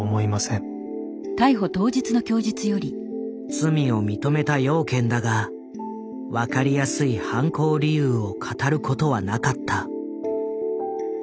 罪を認めた養賢だが分かりやすい犯行理由を語ることはなかった。